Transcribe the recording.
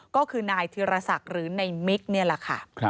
ก็คือนายธิรศักดิ์หรือในมิกนี่แหละค่ะ